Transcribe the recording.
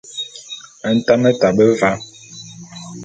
Ntame tabe va.